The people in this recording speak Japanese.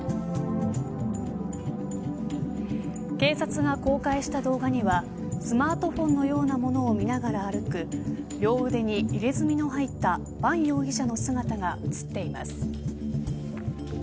警察が公開した動画にはスマートフォンのようなものを見ながら歩く両腕に入れ墨の入ったバン容疑者の姿が映っています。